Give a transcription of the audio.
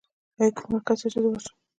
ایا کوم مرکز شته چې زه ورشم؟